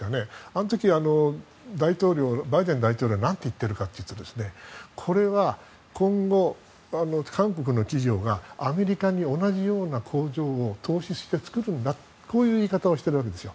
その時にバイデン大統領は何て言ってるかというとこれは今後、韓国の企業がアメリカに同じような工場を投資して作るんだこういう言い方をしているんです。